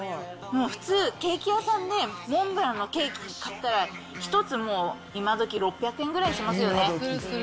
もう普通、ケーキ屋さんで、モンブランのケーキ買ったら、１つ今どき６００円ぐらいしますよね。